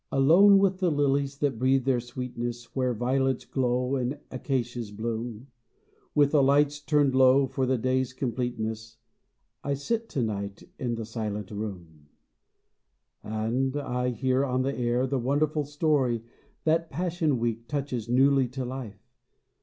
] LONE with the lilies that breathe their sweet ness Where violets glow and acacias bloom, With the lights turned low for the day's completeness, I sit to night in the silent room ; And I hear on the air the wonderful story That Passion Week touches newly to life.